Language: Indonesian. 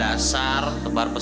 malah lo jelalatan